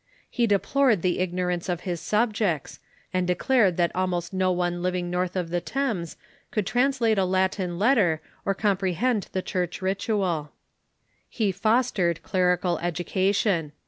He deplored the ignorance of his subjects, and de clared that almost no one living north of the Thames could translate a Latin letter or comprehend the Church ritual. He 150 THE MEDIAEVAL CHUECH fostered clerical education.